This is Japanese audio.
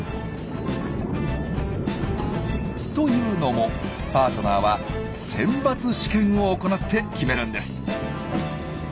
というのもパートナーは選抜試験を行って決めるんです。